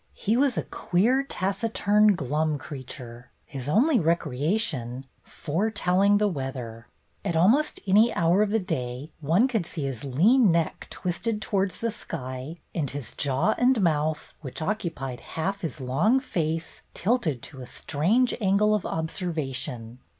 He was a queer, taciturn, glum creature, his only recreation foretelling the weather. At almost any hour of the day one could see his lean neck twisted towards the sky, and his jaw and mouth — which occupied half his long face — tilted to a strange angle of observation.